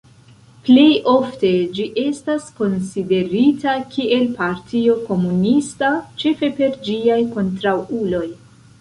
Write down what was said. Plej ofte, ĝi estas konsiderita kiel partio komunista, ĉefe per ĝiaj kontraŭuloj.